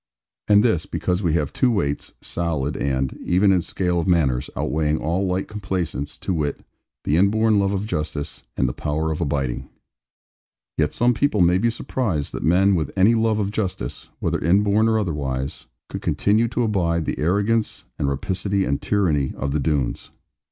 And this, because we have two weights, solid and (even in scale of manners) outweighing all light complaisance; to wit, the inborn love of justice, and the power of abiding. Yet some people may be surprised that men with any love of justice, whether inborn or otherwise, could continue to abide the arrogance, and rapacity, and tyranny of the Doones.